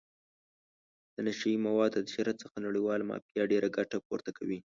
د نشه یي موادو د تجارت څخه نړیواله مافیا ډېره ګټه پورته کوي.